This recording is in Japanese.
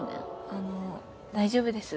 あの大丈夫です。